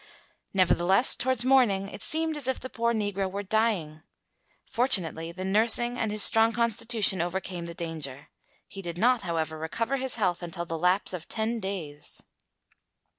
Nevertheless, towards morning it seemed as if the poor negro were dying. Fortunately, the nursing and his strong constitution overcame the danger; he did not, however, recover his health until the lapse of ten days.